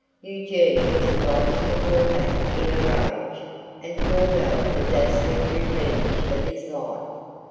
Eugene was obliged to fall back in a rage, and forego the dazzling revenge of his life.